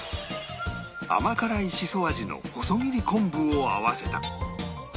甘辛いしそ味の細切り昆布を合わせた